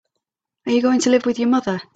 Are you going to live with your mother?